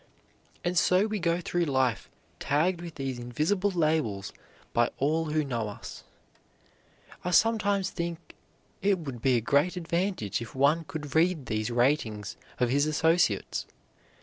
And so we go through life, tagged with these invisible labels by all who know us. I sometimes think it would be a great advantage if one could read these ratings of his associates.